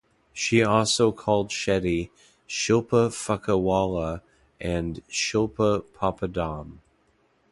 She also called Shetty "Shilpa Fuckawalla" and "Shilpa Poppadom".